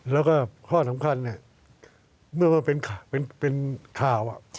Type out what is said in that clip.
แล้วก็ข้อสำคัญเนี่ยเมื่อมันเป็นข่าว